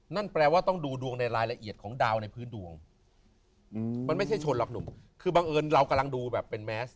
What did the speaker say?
นั่นแปลว่าต้องดูดวงในรายละเอียดของดาวในพื้นดวงมันไม่ใช่ชนหรอกหนุ่มคือบังเอิญเรากำลังดูแบบเป็นแมส